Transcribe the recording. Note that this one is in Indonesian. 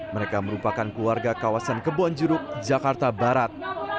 mereka merupakan keluarga kawasan kebonjeruk jakarta barat